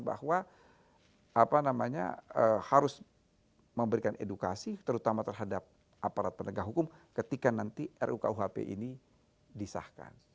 bahwa harus memberikan edukasi terutama terhadap aparat penegak hukum ketika nanti rukuhp ini disahkan